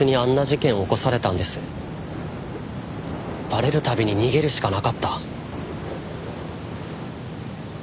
バレる度に逃げるしかなかった。